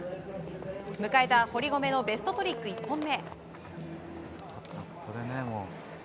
迎えた堀米のベストトリック１本目。